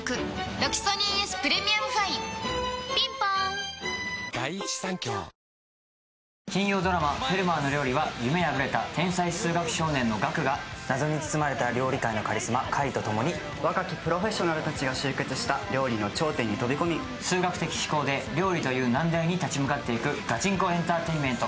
「ロキソニンＳプレミアムファイン」ピンポーン金曜ドラマ「フェルマーの料理」は謎に包まれた料理界の若きプロフェッショナルたちが集結した料理の頂点に飛び込み、数学的思考で料理という難題に立ち向かっていく真剣勝負エンターテインメント。